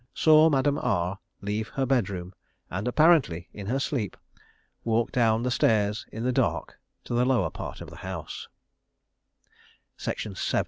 saw Madame R leave her bedroom, and, apparently in her sleep, walk down the stairs in the dark to the lower part of the house.